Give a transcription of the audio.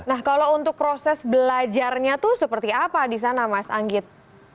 nah kalau untuk proses belajarnya itu seperti apa di sana mas anggit